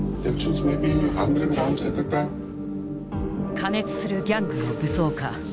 過熱するギャングの武装化。